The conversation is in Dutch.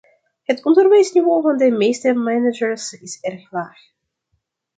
Het onderwijsniveau van de meeste managers is erg laag.